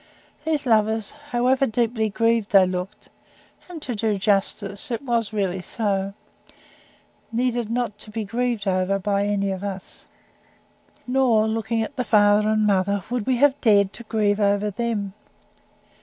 These lovers, however deeply grieved they looked and, to do justice, it was really so needed not to be grieved over by any of us. Nor, looking at the father and mother, would we have dared to grieve over THEM.